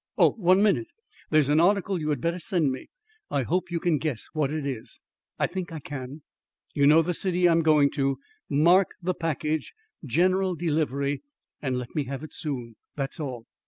Oh, one minute! There's an article you had better send me. I hope you can guess what it is." "I think I can." "You know the city I am going to. Mark the package, General Delivery, and let me have it soon. That's all."